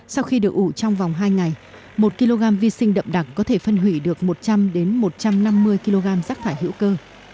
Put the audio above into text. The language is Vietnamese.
sau khi được ủ trong vòng hai ngày một kg vi sinh đậm đặc có thể phân hủy được một trăm linh một trăm năm mươi kg rác thải hữu cơ